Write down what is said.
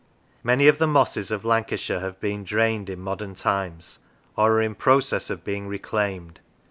Many of the mosses of Lancashire have been drained in modern times, or are in process of being reclaimed.